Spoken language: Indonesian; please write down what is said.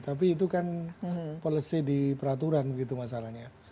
tapi itu kan polisi di peraturan